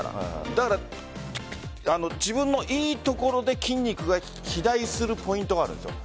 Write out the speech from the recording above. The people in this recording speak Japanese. だから自分のいいところで筋肉が肥大するポイントがあるんです。